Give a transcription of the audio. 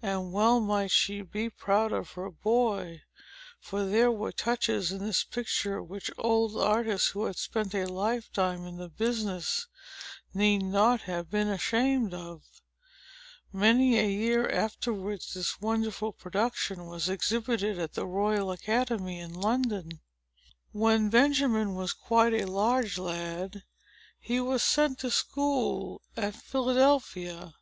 And well might she be proud of her boy; for there were touches in this picture, which old artists, who had spent a lifetime in the business, need not have been ashamed of. Many a year afterwards, this wonderful production was exhibited at the Royal Academy in London. When Benjamin was quite a large lad, he was sent to school at Philadelphia.